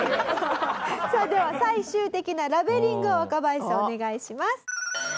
さあでは最終的なラベリングを若林さんお願いします。